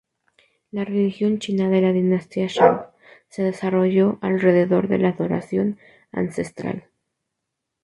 La religión china de la dinastía Shang se desarrolló alrededor de la adoración ancestral.